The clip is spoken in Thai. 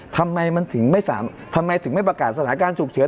ทำไมถึงไม่ประกาศสถานการณ์ฉุกเฉิน